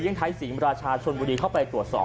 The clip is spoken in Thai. ไทยศรีมราชาชนบุรีเข้าไปตรวจสอบ